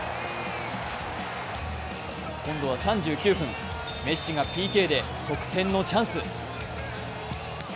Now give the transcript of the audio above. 今度は３９分、メッシがＰＫで得点のチャンス。